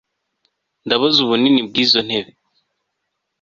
Ndabaza ubunini bwizo ntebe